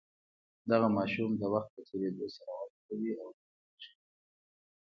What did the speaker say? دغه ماشوم د وخت په تیریدو سره وده کوي او لوییږي.